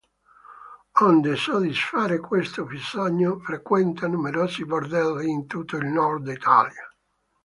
Onde soddisfare questo bisogno, frequenta numerosi bordelli in tutto il nord Italia.